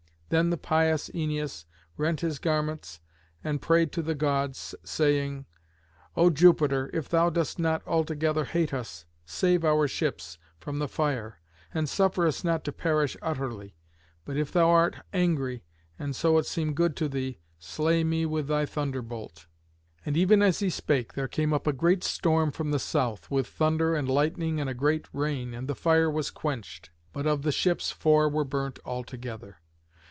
Then the pious Æneas rent his garments and prayed to the Gods, saying, "O Jupiter, if thou dost not altogether hate us, save our ships from the fire, and suffer us not to perish utterly; but if thou art angry, and so it seem good to thee, slay me with thy thunderbolt." And even as he spake there came up a great storm from the south, with thunder and lightning and a great rain, and the fire was quenched, but of the ships four were burnt altogether.